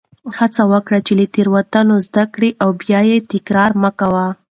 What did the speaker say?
هڅه وکړه چې له تېروتنو زده کړه او بیا یې تکرار مه کوه.